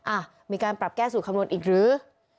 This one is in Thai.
อ่ะมีการปรับแก้สูตรคำนวณอีกหรือ